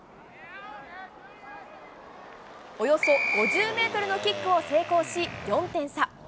およそ５０メートルのキックを成功し、４点差。